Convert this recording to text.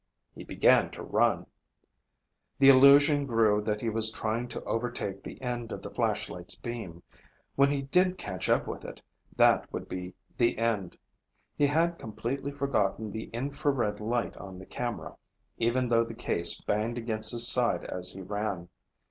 He began to run. The illusion grew that he was trying to overtake the end of the flashlight's beam. When he did catch up with it, that would be the end. He had completely forgotten the infrared light on the camera, even though the case banged against his side as he ran.